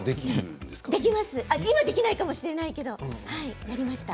今はできないかもしれませんけどやりました。